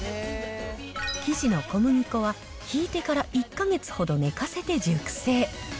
生地の小麦粉はひいてから１か月ほど寝かせて熟成。